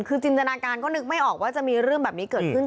คือจินตนาการก็นึกไม่ออกว่าจะมีเรื่องแบบนี้เกิดขึ้น